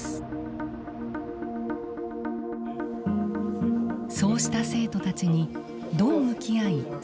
そうした生徒たちにどう向き合い支えていくか。